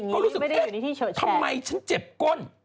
ก็รู้สึกเจ็บทำไมฉันเจ็บก้น